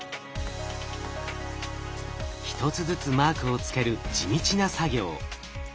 一つずつマークをつける地道な作業。